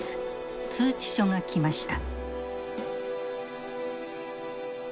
通知書が来ました。